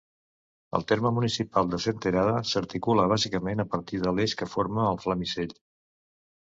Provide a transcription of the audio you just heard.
El terme municipal de Senterada s'articula bàsicament a partir de l'eix que forma el Flamisell.